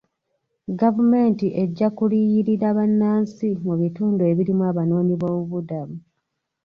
Gavumenti ejja kuliyirira bannansi mu bitundu ebirimu abanoonyi boobubudamu.